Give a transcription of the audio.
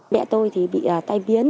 mẹ tôi thì bị tay biến